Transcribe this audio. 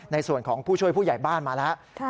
ในส่วนของผู้ช่วยผู้ใหญ่บ้านมาแล้ว